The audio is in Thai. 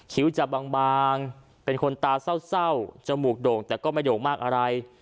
จะบางเป็นคนตาเศร้าจมูกโด่งแต่ก็ไม่โด่งมากอะไร